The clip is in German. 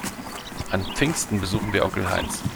An Pfingsten besuchen wir Onkel Heinz.